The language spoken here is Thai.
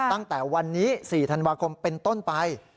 ตั้งแต่วันนี้๔ธันวาคมเป็นต้นไป